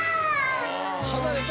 はなれた！